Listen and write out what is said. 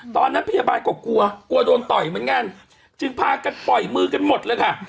ตอนนั้นพยาบาลก็กลัวกลัวโดนต่อยเหมือนกันจึงพากันปล่อยมือกันหมดเลยค่ะ